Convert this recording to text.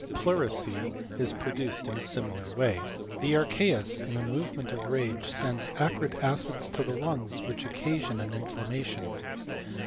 Pleurisy is i duced in a similar way. The archeus, in a moved of rage, sends acrid acids to the lungs, which q| sion au inflammation.